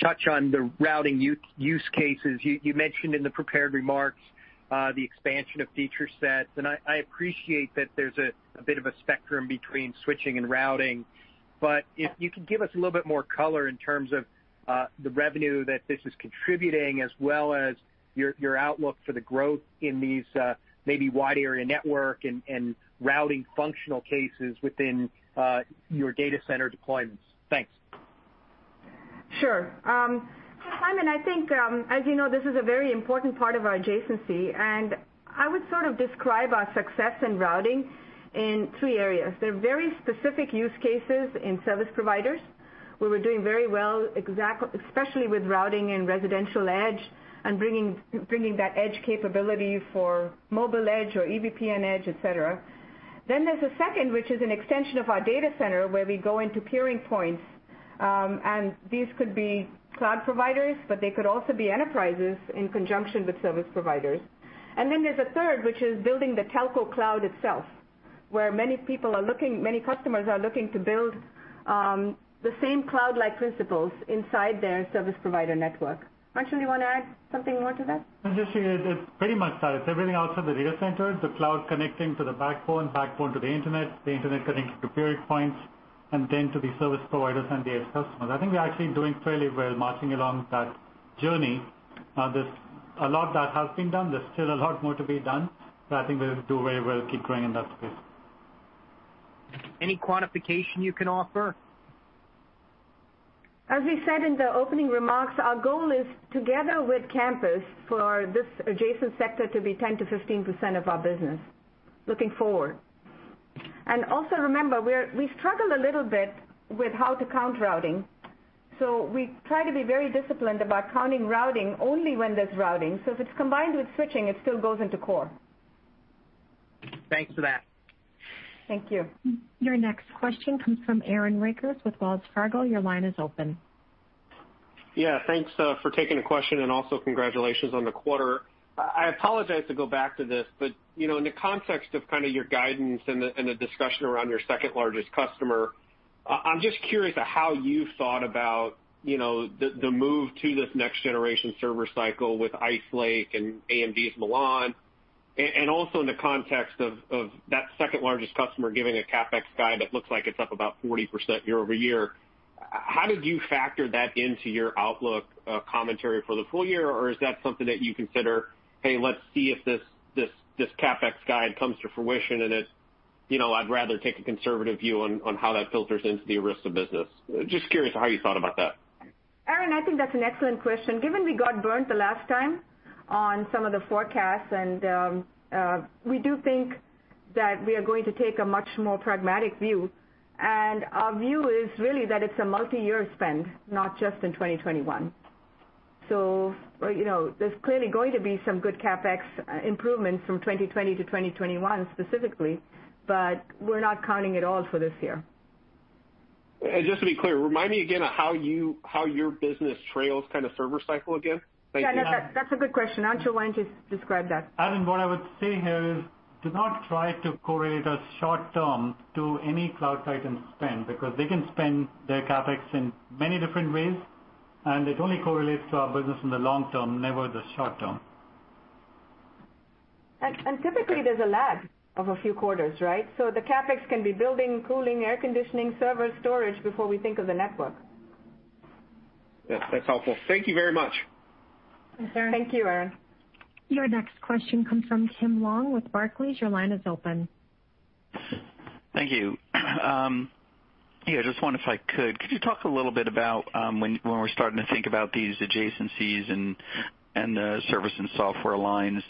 touch on the routing use cases. You mentioned in the prepared remarks the expansion of feature sets, and I appreciate that there's a bit of a spectrum between switching and routing, but if you could give us a little bit more color in terms of the revenue that this is contributing as well as your outlook for the growth in these maybe wide area network and routing functional cases within your data center deployments. Thanks. Sure. Simon, I think, as you know, this is a very important part of our adjacency, and I would sort of describe our success in routing in three areas. There are very specific use cases in service providers, where we're doing very well, especially with routing and residential edge and bringing that edge capability for mobile edge or EVPN edge, et cetera. There's a second, which is an extension of our data center, where we go into peering points, and these could be cloud providers, but they could also be enterprises in conjunction with service providers. There's a third, which is building the telco cloud itself, where many customers are looking to build the same cloud-like principles inside their service provider network. Anshul, you want to add something more to that? No, just it's pretty much that. It's everything outside the data center, the cloud connecting to the backbone to the Internet, the Internet connecting to peering points, and then to the service providers and their customers. I think we're actually doing fairly well marching along that journey. There's a lot that has been done. There's still a lot more to be done, but I think we'll do very well keep growing in that space. Any quantification you can offer? As we said in the opening remarks, our goal is together with campus for this adjacent sector to be 10%-15% of our business looking forward. Also remember, we struggle a little bit with how to count routing. We try to be very disciplined about counting routing only when there's routing. If it's combined with switching, it still goes into core. Thanks for that. Thank you. Your next question comes from Aaron Rakers with Wells Fargo. Your line is open. Yeah. Thanks for taking the question and also congratulations on the quarter. I apologize to go back to this. In the context of kind of your guidance and the discussion around your second-largest customer, I'm just curious how you thought about the move to this next-generation server cycle with Ice Lake and AMD's Milan, and also in the context of that second-largest customer giving a CapEx guide that looks like it's up about 40% year-over-year. How did you factor that into your outlook commentary for the full-year? Is that something that you consider, hey, let's see if this CapEx guide comes to fruition and I'd rather take a conservative view on how that filters into the Arista business? Just curious how you thought about that. Aaron, I think that's an excellent question. Given we got burnt the last time on some of the forecasts, and we do think that we are going to take a much more pragmatic view, and our view is really that it's a multi-year spend, not just in 2021. There's clearly going to be some good CapEx improvements from 2020 to 2021 specifically, but we're not counting it all for this year. Just to be clear, remind me again of how your business trails kind of server cycle again. Yeah, no, that's a good question. Anshul, why don't you describe that? Aaron, what I would say here is do not try to correlate us short term to any cloud titan spend, because they can spend their CapEx in many different ways, and it only correlates to our business in the long term, never the short term. Typically there's a lag of a few quarters, right? The CapEx can be building, cooling, air conditioning, server storage before we think of the network. Yes, that's helpful. Thank you very much. Thank you, Aaron. Your next question comes from Tim Long with Barclays. Your line is open. Thank you. Yeah, just wonder if I could you talk a little bit about when we're starting to think about these adjacencies and the service and software lines,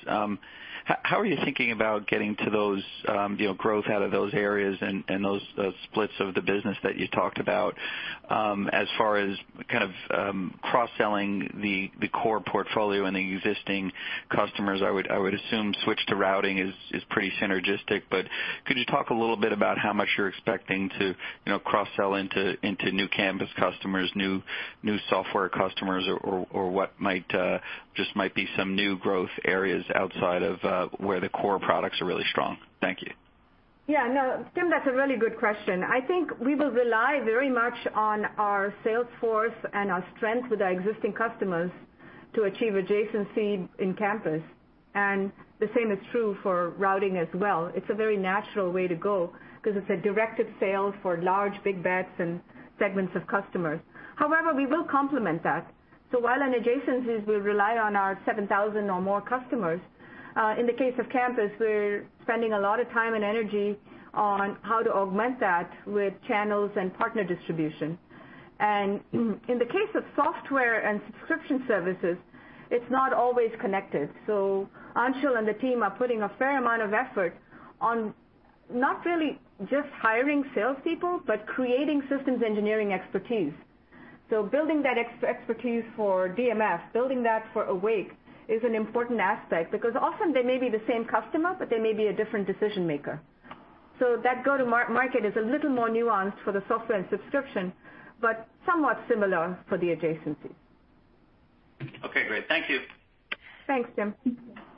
how are you thinking about getting to those growth out of those areas and those splits of the business that you talked about as far as kind of cross-selling the core portfolio and the existing customers, I would assume switch to routing is pretty synergistic. Could you talk a little bit about how much you're expecting to cross-sell into new campus customers, new software customers, or what just might be some new growth areas outside of where the core products are really strong? Thank you. Yeah, no, Tim, that's a really good question. I think we will rely very much on our sales force and our strength with our existing customers to achieve adjacency in campus, and the same is true for routing as well. It's a very natural way to go because it's a directive sales for large, big bets and segments of customers. However, we will complement that. While in adjacencies, we rely on our 7,000 or more customers. In the case of campus, we're spending a lot of time and energy on how to augment that with channels and partner distribution. In the case of software and subscription services, it's not always connected. Anshul and the team are putting a fair amount of effort on not really just hiring salespeople but creating systems engineering expertise. Building that expertise for DMF, building that for Awake is an important aspect because often they may be the same customer, but they may be a different decision-maker. That go-to-market is a little more nuanced for the software and subscription, but somewhat similar for the adjacencies. Okay, great. Thank you. Thanks, Tim.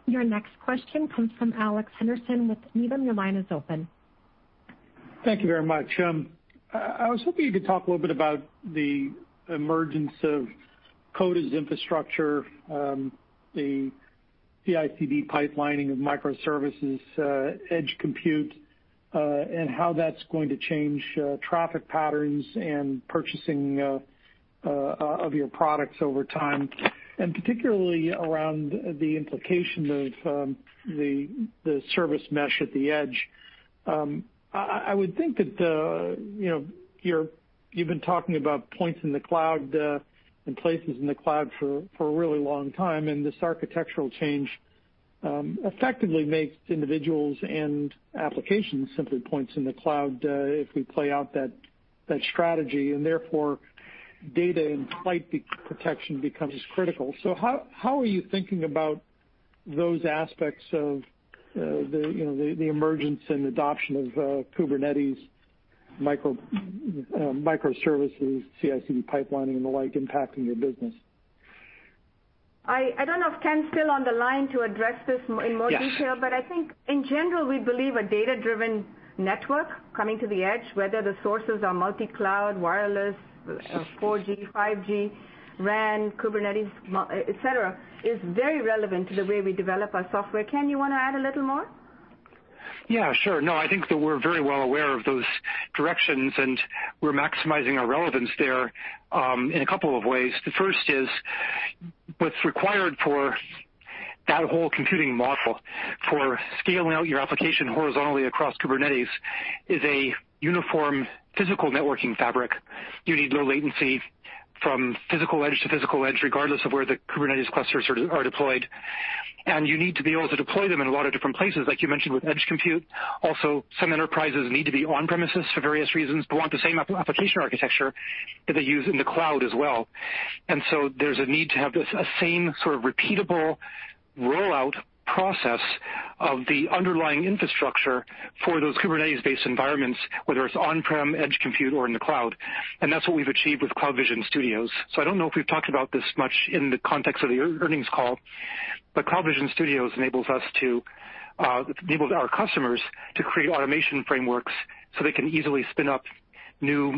Your next question comes from Alex Henderson with Needham. Your line is open. Thank you very much. I was hoping you could talk a little bit about the emergence of code as infrastructure, the CI/CD pipelining of microservices, edge compute, and how that's going to change traffic patterns and purchasing of your products over time, and particularly around the implication of the service mesh at the edge. I would think that you've been talking about points in the cloud and places in the cloud for a really long time, and this architectural change effectively makes individuals and applications simply points in the cloud if we play out that strategy, and therefore data in flight protection becomes critical. How are you thinking about those aspects of the emergence and adoption of Kubernetes, microservices, CI/CD pipelining, and the like impacting your business? I don't know if Ken's still on the line to address this in more detail. Yes I think in general, we believe a data-driven network coming to the edge, whether the sources are multi-cloud, wireless, 4G, 5G, RAN, Kubernetes, et cetera, is very relevant to the way we develop our software. Ken, you want to add a little more? Yeah, sure. No, I think that we're very well aware of those directions, and we're maximizing our relevance there in a couple of ways. The first is what's required for that whole computing model for scaling out your application horizontally across Kubernetes is a uniform physical networking fabric. You need low latency from physical edge to physical edge, regardless of where the Kubernetes clusters are deployed. You need to be able to deploy them in a lot of different places, like you mentioned with edge compute. Also, some enterprises need to be on-premises for various reasons, but want the same application architecture that they use in the cloud as well. There's a need to have the same sort of repeatable rollout process of the underlying infrastructure for those Kubernetes-based environments, whether it's on-prem, edge compute, or in the cloud. That's what we've achieved with CloudVision Studios. I don't know if we've talked about this much in the context of the earnings call, but CloudVision Studios enables our customers to create automation frameworks so they can easily spin up new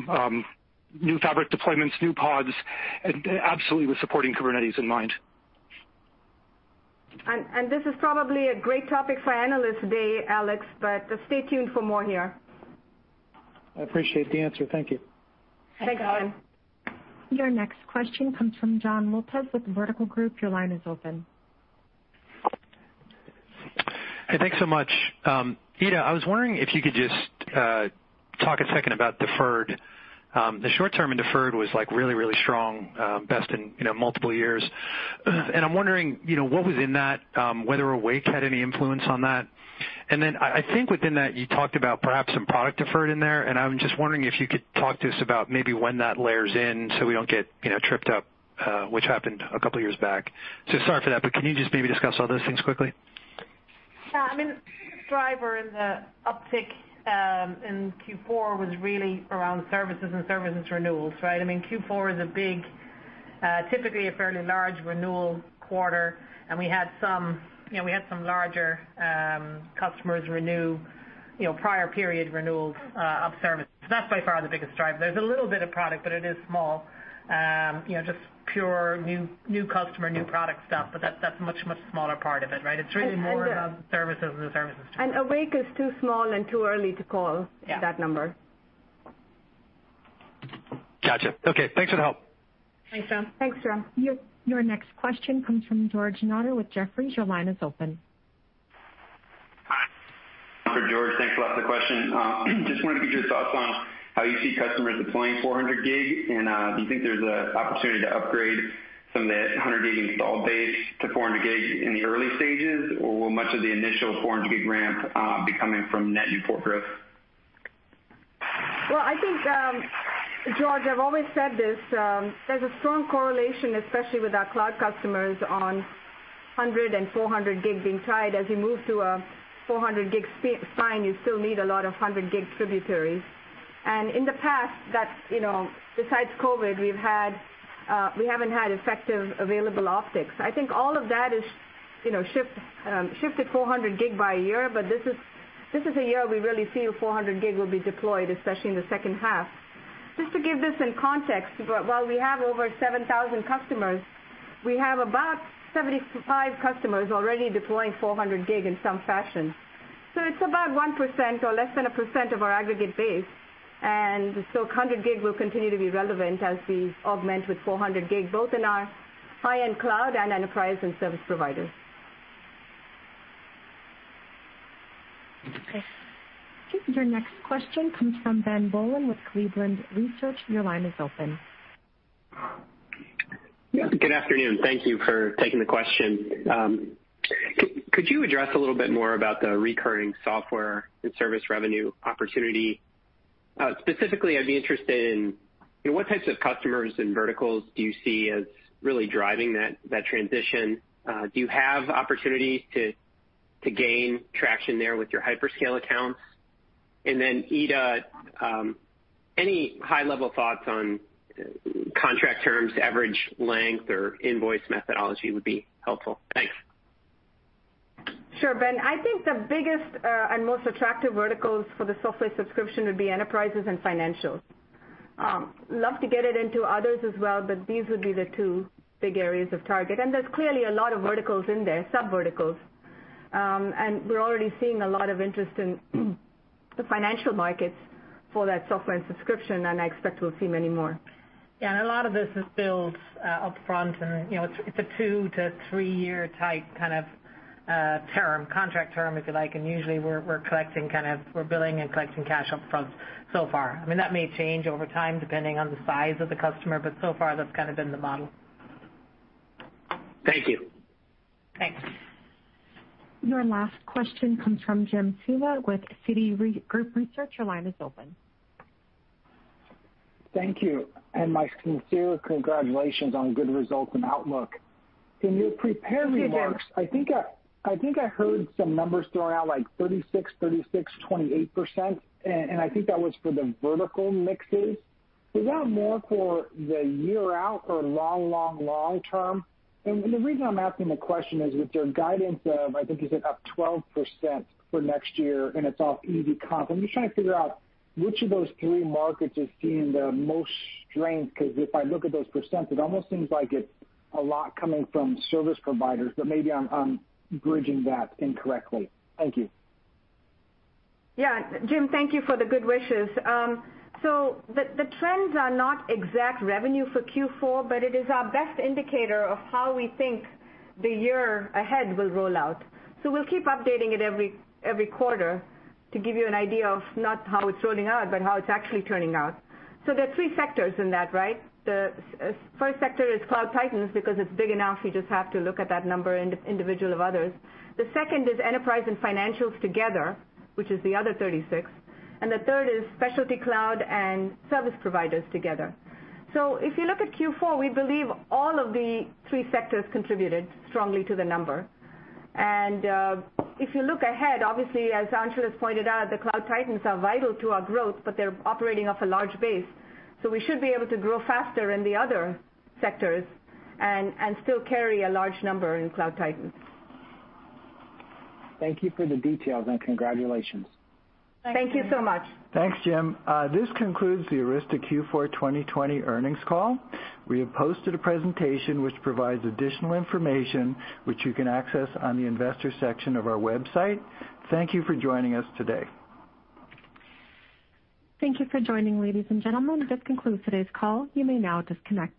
fabric deployments, new pods, and absolutely with supporting Kubernetes in mind. This is probably a great topic for Analyst Day, Alex, but stay tuned for more here. I appreciate the answer. Thank you. Thanks, Alex. Your next question comes from Jon Lopez with Vertical Group. Your line is open. Hey, thanks so much. Ita, I was wondering if you could just talk a second about deferred. The short-term in deferred was really strong, best in multiple years. I'm wondering what was in that, whether Awake had any influence on that. I think within that, you talked about perhaps some product deferred in there, and I'm just wondering if you could talk to us about maybe when that layers in, so we don't get tripped up, which happened a couple of years back. Sorry for that. Can you just maybe discuss all those things quickly? The driver in the uptick in Q4 was really around services and services renewals, right? Q4 is typically a fairly large renewal quarter, and we had some larger customers renew, prior period renewals of services. That's by far the biggest driver. There's a little bit of product, but it is small. Pure new customer, new product stuff, but that's much smaller part of it, right? It's really more around services and services renewals. Awake is too small and too early to call that number. Yeah. Got you. Okay, thanks for the help. Thanks, Jon. Thanks, Jon. Your next question comes from George Notter with Jefferies. Hi. George. Thanks a lot for the question. Just wanted to get your thoughts on how you see customers deploying 400G, and do you think there's an opportunity to upgrade some of the 100G installed base to 400G in the early stages? Or will much of the initial 400G ramp be coming from net new corporate? I think, George, I've always said this, there's a strong correlation, especially with our cloud customers, on 100 and 400G being tied. As we move to a 400G spine, you still need a lot of 100G tributaries. In the past, besides COVID, we haven't had effective available optics. I think all of that has shifted 400G by a year, but this is a year we really feel 400G will be deployed, especially in the second half. Just to give this in context, while we have over 7,000 customers, we have about 75 customers already deploying 400G in some fashion. It's about 1% or less than a percent of our aggregate base. 100G will continue to be relevant as we augment with 400G, both in our high-end cloud and enterprise and service providers. Okay. Your next question comes from Ben Bollin with Cleveland Research. Your line is open. Good afternoon. Thank you for taking the question. Could you address a little bit more about the recurring software and service revenue opportunity? Specifically, I'd be interested in what types of customers and verticals do you see as really driving that transition? Do you have opportunities to gain traction there with your hyperscale accounts? Ita, any high-level thoughts on contract terms, average length, or invoice methodology would be helpful. Thanks. Sure, Ben. I think the biggest and most attractive verticals for the software subscription would be enterprises and financials. Love to get it into others as well, but these would be the two big areas of target. There's clearly a lot of verticals in there, sub-verticals. We're already seeing a lot of interest in the financial markets for that software and subscription, and I expect we'll see many more. Yeah. A lot of this is built up front, and it's a two to three-year type kind of contract term, if you like. Usually we're billing and collecting cash up front so far. That may change over time depending on the size of the customer, but so far, that's been the model. Thank you. Thanks. Your last question comes from Jim Suva with Citigroup Research. Your line is open. Thank you, and my sincere congratulations on good results and outlook. In your prepared remarks. Thank you, Jim. I think I heard some numbers thrown out like 36, 28%, and I think that was for the vertical mixes. Is that more for the year out or long term? The reason I'm asking the question is with your guidance of, I think you said up 12% for next year, and it's off easy comp. I'm just trying to figure out which of those three markets is seeing the most strength, because if I look at those percents, but maybe I'm bridging that incorrectly. Thank you. Yeah. Jim, thank you for the good wishes. The trends are not exact revenue for Q4, but it is our best indicator of how we think the year ahead will roll out. We'll keep updating it every quarter to give you an idea of not how it's rolling out, but how it's actually turning out. There are three sectors in that, right? The first sector is Cloud Titans, because it's big enough, you just have to look at that number independent of others. The second is enterprise and financials together, which is the other 36, and the third is specialty cloud and service providers together. If you look at Q4, we believe all of the three sectors contributed strongly to the number. If you look ahead, obviously, as Anshul has pointed out, the Cloud Titans are vital to our growth, but they're operating off a large base. We should be able to grow faster in the other sectors and still carry a large number in Cloud Titans. Thank you for the details, and congratulations. Thank you so much. Thanks, Jim. This concludes the Arista Q4 2020 earnings call. We have posted a presentation which provides additional information, which you can access on the investor section of our website. Thank you for joining us today. Thank you for joining, ladies and gentlemen. This concludes today's call. You may now disconnect.